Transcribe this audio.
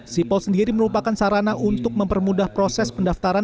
sipol sendiri merupakan sarana untuk mempermudah proses pendaftaran